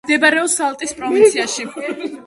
მდებარეობს სალტის პროვინციაში.